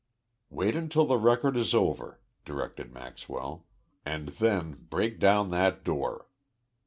"Wait until the record is over," directed Maxwell, "and then break down that door.